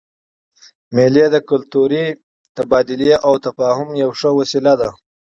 مېلې د کلتوري تبادلې او تفاهم یوه ښه وسیله ده.